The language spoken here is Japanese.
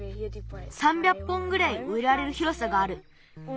３００本ぐらいうえられるひろさがある。